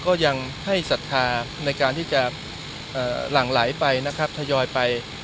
ก็ยังให้ศรัทธาในการที่จะหลั่งไหลไปนะครับทยอยไป